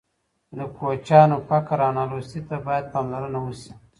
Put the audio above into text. د کوچیانو فقر او نالوستي ته باید پاملرنه وشي.